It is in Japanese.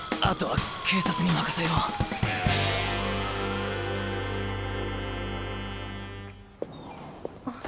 あとは警察に任せよう。